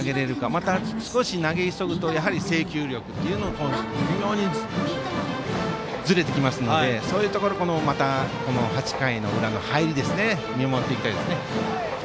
また、少し投げ急ぐとやはり制球力が微妙にずれるのでそういうところ８回の裏の入り見守っていきたいですね。